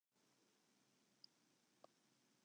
Dyn eks hat ek al wer wat oan 't hantsje.